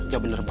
ya bener baik